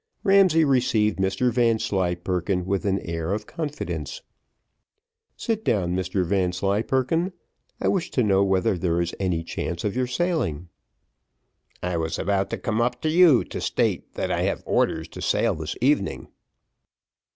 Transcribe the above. Ramsay received Mr Vanslyperken with an air of confidence. "Sit down, Mr Vanslyperken, I wish to know whether there is any chance of your sailing." "I was about to come up to you to state that I have orders to sail this evening."